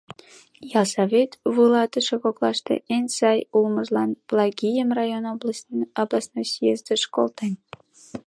Ялсовет вуйлатыше коклаште эн сай улмыжлан Плагийым район областной съездыш колтен.